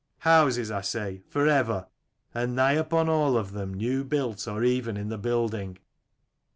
Houses, I say, for ever, and nigh upon all of them new built or even in the building.